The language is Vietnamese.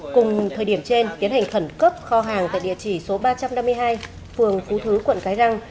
cùng thời điểm trên tiến hành khẩn cấp kho hàng tại địa chỉ số ba trăm năm mươi hai phường phú thứ quận cái răng